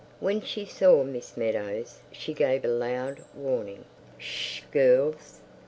When she saw Miss Meadows she gave a loud, warning "Sh sh! girls!"